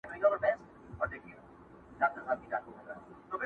يوه ورځ د لوى ځنگله په يوه كونج كي،